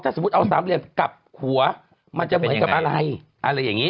สมมุติเอาสามเหลี่ยมกลับหัวมันจะเหมือนกับอะไรอะไรอย่างนี้